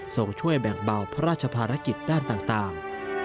ส่งช่วยแบ่งเบาพระราชภารกิจด้านต่าง